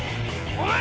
おい！